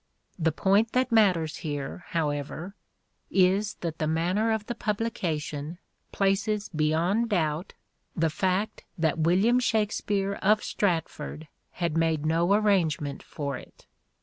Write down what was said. The point that matters here, however, is that the manner of the publication places beyond doubt the fact that William Shakspere of Stratford had made no arrangement for it.